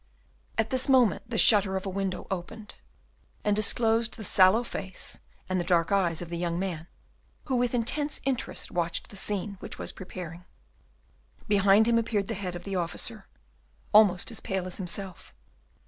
At this moment, the shutter of a window opened, and disclosed the sallow face and the dark eyes of the young man, who with intense interest watched the scene which was preparing. Behind him appeared the head of the officer, almost as pale as himself.